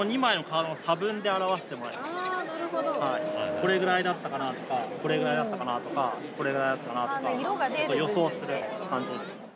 これぐらいだったかなとかこれぐらいだったかなとかこれぐらいだったかなとか予想する感じです。